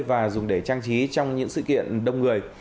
và dùng để trang trí trong những sự kiện đông người